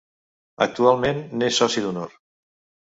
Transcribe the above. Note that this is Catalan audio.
Actualment n'és Soci d'Honor.